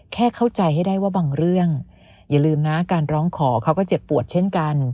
แค่เข้าใจให้ได้ว่าบางเรื่องอย่าลืมนะการร้องขอเขาก็เจ็บปวดเช่นกัน